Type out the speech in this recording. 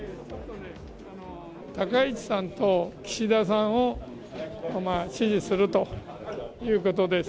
高市さんと岸田さんを支持するということです。